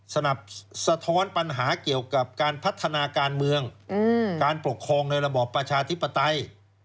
สนับสนุนสะท้อนปัญหาเกี่ยวกับการพัฒนาการเมืองการปกครองในระบอบประชาธิปไตย